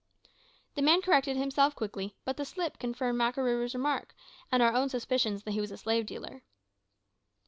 The man corrected himself quickly, but the slip confirmed Makarooroo's remark and our own suspicions that he was a slave dealer.